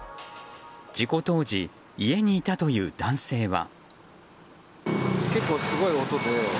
事故当時家にいたという男性は。